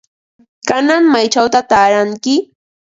¿Kanan maychawta taaranki?